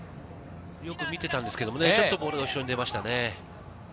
よく見てたんですけどもね、ちょっとボールが後ろに出ましたね。